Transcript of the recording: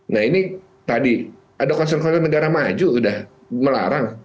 nah ini tadi ada konsern konsern negara maju udah melarang